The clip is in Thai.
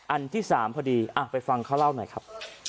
อันที่๓พอดีไปฟังเขาเล่าหน่อยครับ